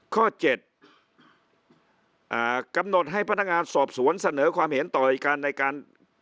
ข้อ๗กำหนดให้พนักงานสอบสวนเสนอความเห็นต่ออายการในการ